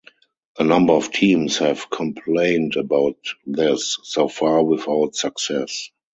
A number of teams have complained about this, so far without success.